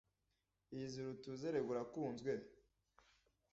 iyizire utuze erega urakunzwe !